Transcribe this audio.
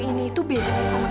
man udah deh man